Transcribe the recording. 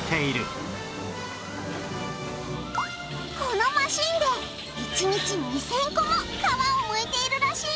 このマシンで１日２０００個も皮をむいているらしいよ。